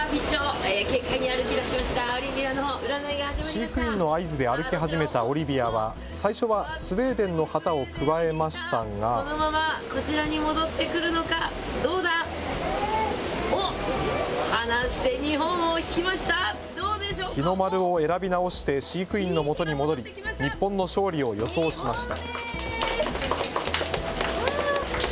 飼育員の合図で歩き始めたオリビアは最初はスウェーデンの旗をくわえましたが、日の丸を選び直して飼育員のもとに戻り日本の勝利を予想しました。